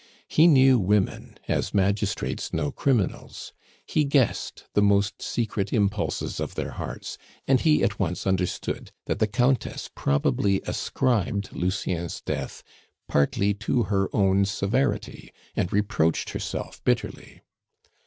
He knew women as magistrates know criminals; he guessed the most secret impulses of their hearts; and he at once understood that the Countess probably ascribed Lucien's death partly to her own severity, and reproached herself bitterly.